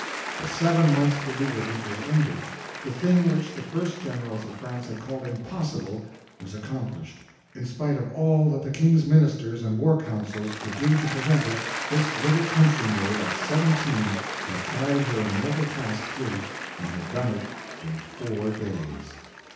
The seven months' beleaguerment was ended, the thing which the first generals of France had called impossible was accomplished; in spite of all that the King's ministers and war councils could do to prevent it, this little country maid at seventeen had carried her immortal task through, and had done it in four days!